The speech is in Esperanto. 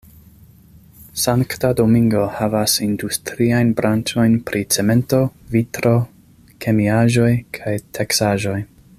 Sankta Domingo havas industriajn branĉojn pri cemento, vitro, kemiaĵoj kaj teksaĵoj.